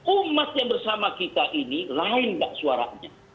umat yang bersama kita ini lain mbak suaranya